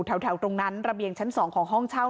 แถวตรงนั้นระเบียงชั้น๒ของห้องเช่า